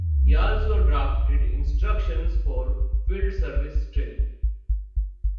He also drafted instructions for field service training.